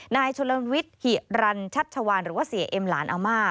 นายชนลวิทย์หิรันชัชวานหรือว่าเสียเอ็มหลานอาม่า